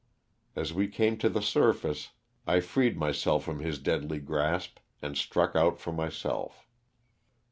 As we came to the surface I freed myself from his deadly grasp and struck out for myself.